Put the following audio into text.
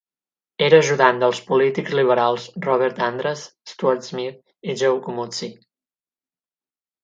Era ajudant dels polítics liberals Robert Andras, Stuart Smith i Joe Comuzzi.